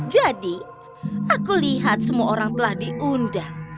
jadi aku lihat semua orang telah diundang